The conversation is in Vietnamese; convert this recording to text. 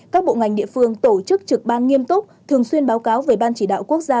các bộ ngành địa phương tổ chức trực ban nghiêm túc thường xuyên báo cáo về ban chỉ đạo quốc gia